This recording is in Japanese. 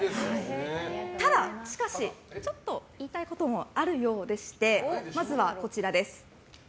ただ、しかし、ちょっと言いたいこともあるようでしてまずは、こちらです。